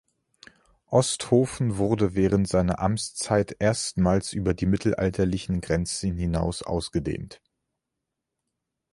Osthofen wurde während seiner Amtszeit erstmals über die mittelalterlichen Grenzen hinaus ausgedehnt.